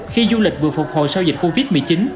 khi du lịch vừa phục hồi sau dịch covid một mươi chín